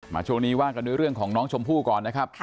ช่วงนี้ว่ากันด้วยเรื่องของน้องชมพู่ก่อนนะครับ